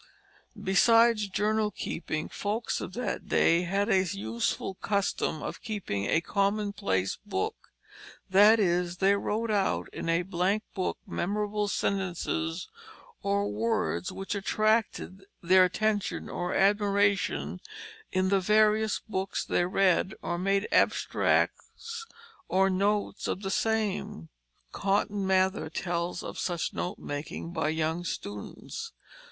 Besides journal keeping, folks of that day had a useful custom of keeping a commonplace book; that is, they wrote out in a blank book memorable sentences or words which attracted their attention or admiration in the various books they read, or made abstracts or notes of the same. Cotton Mather tells of such note making by young students.